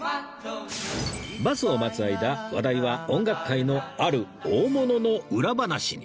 バスを待つ間話題は音楽界のある大物の裏話に